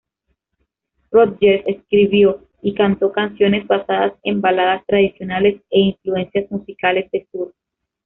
Rodgers escribió y cantó canciones basadas en baladas tradicionales e influencias musicales de sur.